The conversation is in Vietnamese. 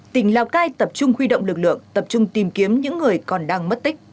tỉnh lào cai tập trung huy động lực lượng tập trung tìm kiếm những người còn đang mất tích